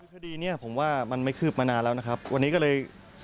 คดีนี้ผมว่ามันไม่คืบมานานแล้วนะครับวันนี้ก็เลย